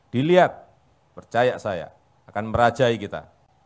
dilihat percaya saya akan merajai kita